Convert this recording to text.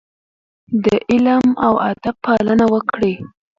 د علم او ادب پالنه وکړئ.